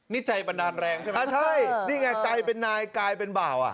นี่ใจบันดาลแรงใช่ไหมอ่าใช่นี่ไงใจเป็นนายกลายเป็นบ่าวอ่ะ